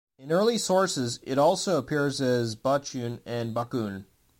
In early sources, it also appears as "Bachun" and "Bacun".